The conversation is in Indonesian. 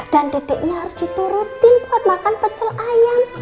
dan dedeknya harus itu rutin buat makan pecel ayam